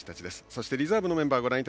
そしてリザーブのメンバーです。